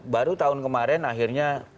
baru tahun kemarin akhirnya